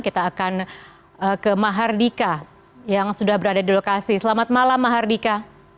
kita akan ke mahardika yang sudah berada di lokasi selamat malam mahardika